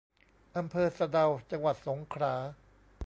อำเภอสะเดา จังหวัดสงขลา